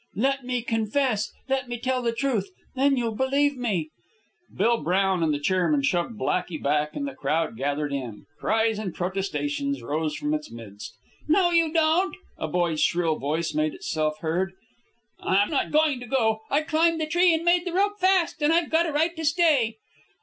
Let me confess! Let me tell the truth, then you'll believe me!" Bill Brown and the chairman shoved Blackey back, and the crowd gathered in. Cries and protestations rose from its midst. "No, you don't," a boy's shrill voice made itself heard. "I'm not going to go. I climbed the tree and made the rope fast, and I've got a right to stay."